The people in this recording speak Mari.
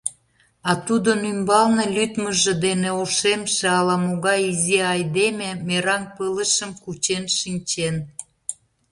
А тудын ӱмбалне лӱдмыжӧ дене ошемше ала-могай изи айдеме мераҥ пылышым кучен шинчен.